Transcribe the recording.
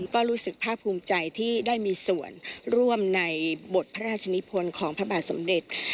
ก็รู้สึกภาคภูมิใจที่ได้มีส่วนร่วมในบทพระราชนิพลของพระบาทสมเด็จ